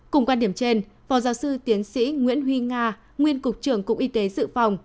cùng quan điểm trên phó giáo sư tiến sĩ nguyễn huy nga nguyên cục trưởng cục y tế dự phòng